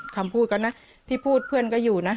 คำพูดก็นะที่พูดเพื่อนก็อยู่นะ